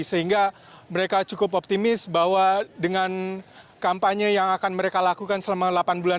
sehingga mereka cukup optimis bahwa dengan kampanye yang akan mereka lakukan selama delapan bulan